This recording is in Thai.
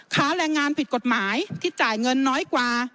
แรงงานผิดกฎหมายที่จ่ายเงินน้อยกว่า